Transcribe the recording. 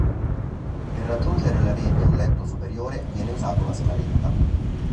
Per raggiungere la rete o letto superiore viene usata una scaletta.